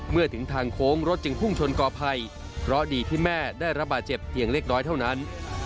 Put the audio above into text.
เมื่อถึงทางโค้งรถจึงพุ่งชนกอภัยเพราะดีที่แม่ได้รับบาดเจ็บเพียงเล็กน้อยเท่านั้น